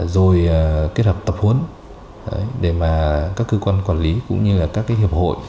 rồi kết hợp tập huấn để mà các cơ quan quản lý cũng như là các cái hiệp hội